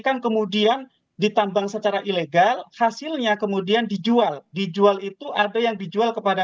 kan kemudian ditambang secara ilegal hasilnya kemudian dijual dijual itu ada yang dijual kepada